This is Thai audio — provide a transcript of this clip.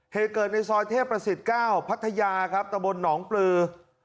เหตุเกิดในซอยเทพประสิทธิ์๙พัทยาครับตะบนหนองปลือ